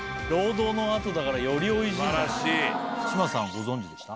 ご存じでした？